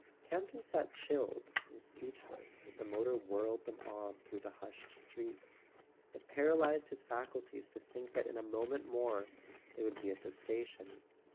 Campton sat chilled and speechless as the motor whirled them on through the hushed streets. It paralyzed his faculties to think that in a moment more they would be at the station.